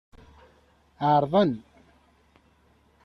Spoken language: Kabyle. Ɛeṛḍen.